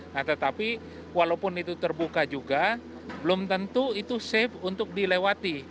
nah tetapi walaupun itu terbuka juga belum tentu itu safe untuk dilewati